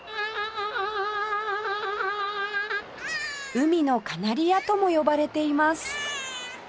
「海のカナリア」とも呼ばれています